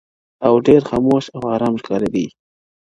• او ډېر خاموش او آرام ښکارېدی -